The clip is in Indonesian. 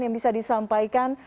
yang bisa disampaikan